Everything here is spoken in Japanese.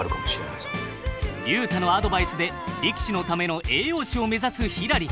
竜太のアドバイスで力士のための栄養士を目指すひらり。